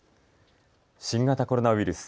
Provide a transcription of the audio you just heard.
新型コロナウイルス。